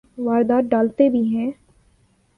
واردات ڈالتے بھی ہیں۔